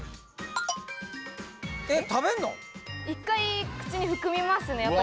１回口に含みますね。